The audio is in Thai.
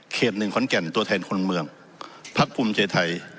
หนึ่งขอนแก่นตัวแทนคนเมืองพักภูมิใจไทย